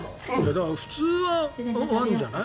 だから普通はワンじゃない？